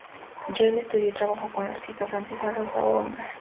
Lloyd estudió y trabajó con la artista francesa Rosa Bonheur.